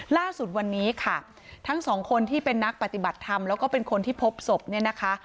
ล่าสุดวันนี้ค่ะทั้งสองคนที่เป็นนักปฏิบัติธรรมแล้วก็เป็นคนที่พบศพเนี่ยนะคะ